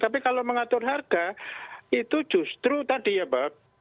tapi kalau mengatur harga itu justru tadi ya pak